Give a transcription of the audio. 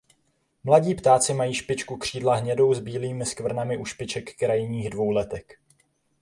Mladí ptáci mají špičku křídla hnědou s bílými skvrnami u špiček krajních dvou letek.